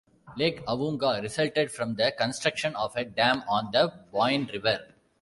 Lake Awoonga resulted from the construction of a dam on the Boyne River.